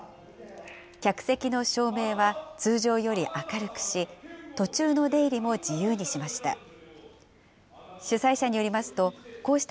客席の照明は通常より明るくし、途中の出入りも自由にしました。